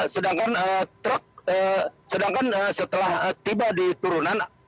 sedangkan setelah tiba di turunan